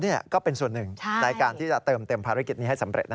นี่ก็เป็นส่วนหนึ่งในการที่จะเติมเต็มภารกิจนี้ให้สำเร็จ